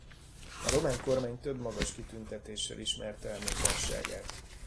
A román kormány több magas kitüntetéssel ismerte el munkásságát.